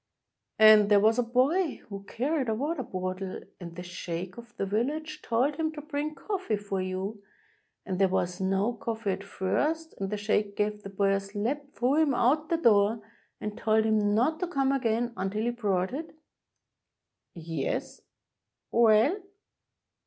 "And there was a boy who carried a water bottle; and the sheikh of the village told him to bring coffee for you; and there was no coffee, at first; and the sheikh gave the boy a slap, threw him out the door, and told him not to come again until he brought it?" 63 EGYPT "Yes: — well?"